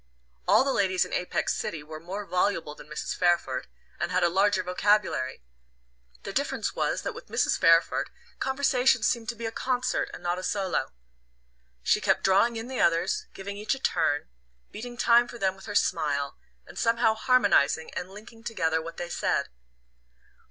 All the ladies in Apex City were more voluble than Mrs. Fairford, and had a larger vocabulary: the difference was that with Mrs. Fairford conversation seemed to be a concert and not a solo. She kept drawing in the others, giving each a turn, beating time for them with her smile, and somehow harmonizing and linking together what they said.